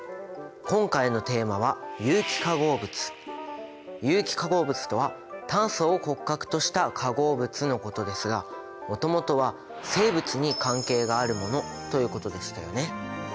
今回のテーマは有機化合物とは「炭素を骨格とした化合物」のことですがもともとは「生物に関係があるもの」ということでしたよね。